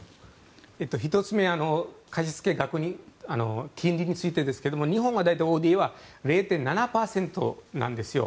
１つ目は金利についてですが日本は大体ＯＤＡは０．７％なんですよ。